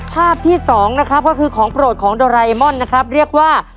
ภาพที่สองนะครับก็คือของโปรดของโดไรมอนนะครับเรียกว่า